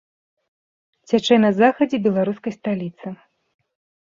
Цячэ на захадзе беларускай сталіцы.